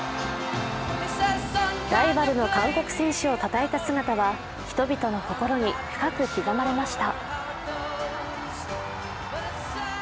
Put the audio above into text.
ライバルの韓国選手を称えた姿は人々の心に深く刻まれました。